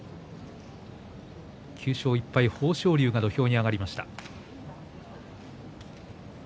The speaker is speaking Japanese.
９勝１敗、豊昇龍が土俵に上がりました。